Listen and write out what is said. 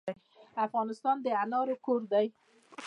افغانستان د انارو کور دی.